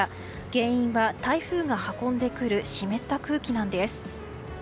原因は台風が運んでくる湿った空気なんです。